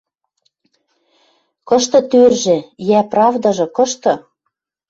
Кышты тӧржӹ? Йӓ, правдажы кышты?